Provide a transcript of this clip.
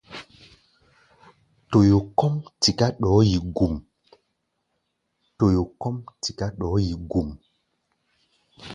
Toyo kɔ́ʼm tiká ɗɔɔ́ yi gum.